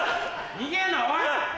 逃げんなおい！